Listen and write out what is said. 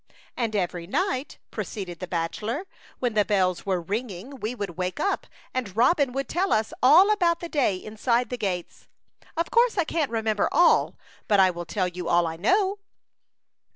And every night," proceeded the bachelor, " when the bells were ring ing we would wake up and Robin would tell us all about the day inside the gates. Of course I can't remem ber all, but I will tell you all I know."